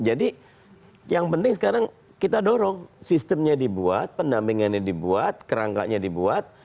jadi yang penting sekarang kita dorong sistemnya dibuat pendampingannya dibuat kerangkanya dibuat